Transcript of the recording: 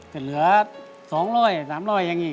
แต่เหลือสองร้อยสามร้อยอย่างนี้